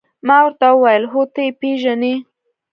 ما ورته وویل: هو، ته يې پېژنې؟